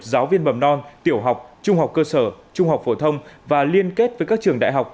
giáo viên mầm non tiểu học trung học cơ sở trung học phổ thông và liên kết với các trường đại học